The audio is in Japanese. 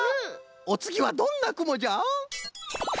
おつぎはどんなくもじゃ？